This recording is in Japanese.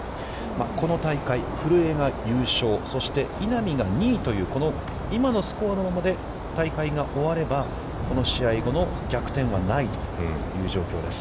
この大会、古江が優勝、そして、稲見が２位というこの今のスコアのままで大会が終わればこの試合後の逆転はないという状況です。